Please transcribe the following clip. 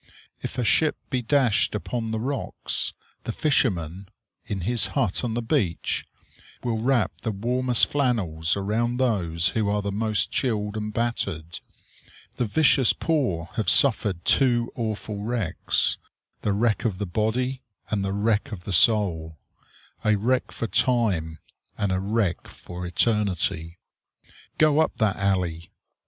If a ship be dashed upon the rocks, the fisherman, in his hut on the beach, will wrap the warmest flannels around those who are the most chilled and battered. The vicious poor have suffered two awful wrecks, the wreck of the body, and the wreck of the soul; a wreck for time and a wreck for eternity. Go up that alley!